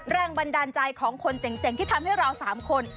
แรงบันดาลใจของคนเจ๋งที่ทำให้เรา๓คน